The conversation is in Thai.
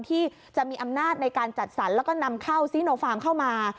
ที่จะมีอำนาจในการจัดสรรแล้วก็นำเข้าซีโนฟาร์มเข้ามา